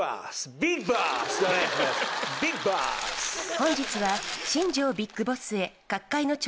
本日は。